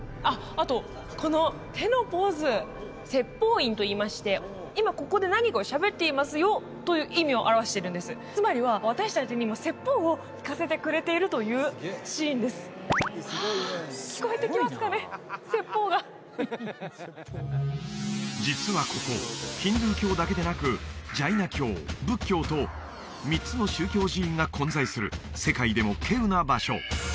あとこの手のポーズ説法印といいまして今ここで何かをしゃべっていますよという意味を表しているんですつまりは私達にも説法を聞かせてくれているというシーンですはあ実はここヒンドゥー教だけでなくジャイナ教仏教と３つの宗教寺院が混在する世界でも希有な場所